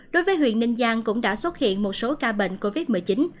đối với huyện ninh giang cũng đã xuất hiện một số ca bệnh covid một mươi chín